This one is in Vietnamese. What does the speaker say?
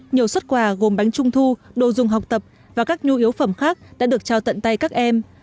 nhiều xuất quà gồm bánh trung thu đồ dùng học tập và các nhu yếu phẩm khác đã được trao tận tay các em